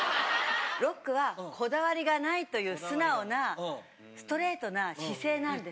ロックはこだわりがないという素直なストレートな姿勢なんです。